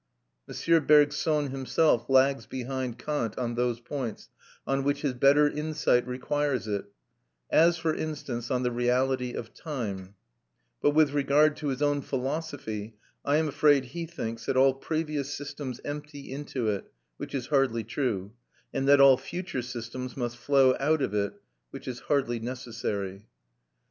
M. Bergson himself "lags behind" Kant on those points on which his better insight requires it, as, for instance, on the reality of time; but with regard to his own philosophy I am afraid he thinks that all previous systems empty into it, which is hardly true, and that all future systems must flow out of it, which is hardly necessary.